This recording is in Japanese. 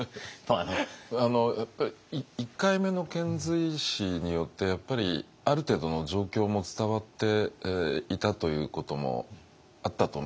やっぱり１回目の遣隋使によってある程度の状況も伝わっていたということもあったと思いますね。